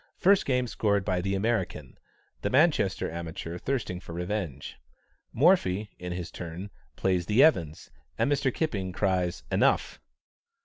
First game scored by the American, the Manchester amateur thirsting for revenge. Morphy, in his turn, plays the Evans', and Mr. Kipping cries "enough."